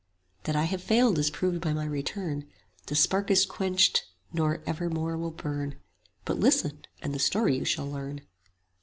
15 That I have failed is proved by my return: The spark is quenched, nor ever more will burn, But listen; and the story you shall learn.